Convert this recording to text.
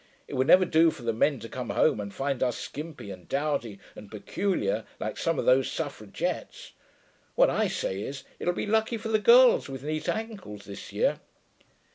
It would never do for the men to come home and find us skimpy and dowdy and peculiar, like some of those suffragettes.... What I say is, it'll be lucky for the girls with neat ankles this year....'